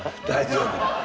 大丈夫。